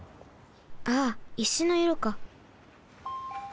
ああ石のいろか。